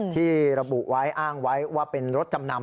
ที่ระบุไว้อ้างไว้ว่าเป็นรถจำนำ